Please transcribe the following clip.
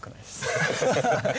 アハハハ。